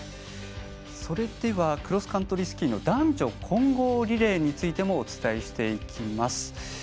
それではクロスカントリースキーの男女混合リレーについてもお伝えしていきます。